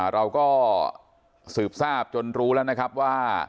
เราก็สืบทราบจนรู้แล้วนะครับว่า